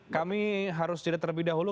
kami harus jeda terlebih dahulu